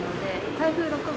台風６号。